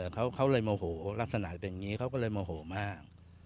เขาเลยโมโหลักษณะเป็นอย่างนี้เขาก็เลยโมโหมาก